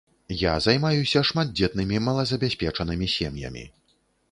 Я займаюся шматдзетнымі малазабяспечанымі сем'ямі.